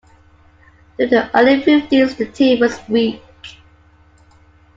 Through the early fifties the team was weak.